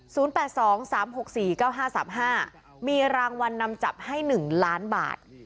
แปดสองสามหกสี่เก้าห้าสามห้ามีรางวัลนำจับให้หนึ่งล้านบาท